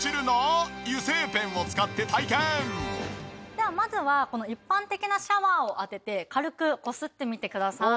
ではまずはこの一般的なシャワーを当てて軽くこすってみてください。